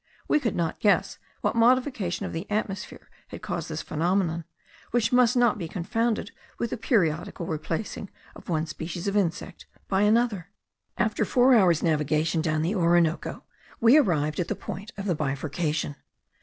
We could not guess what modification of the atmosphere had caused this phenomenon, which must not be confounded with the periodical replacing of one species of insects by another. After four hours' navigation down the Orinoco we arrived at the point of the bifurcation.